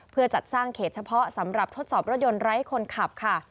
เพื่อจัดสร้างเขตเฉพาะสำหรับทดสอบรถยนต์ไร้คนขับค่ะ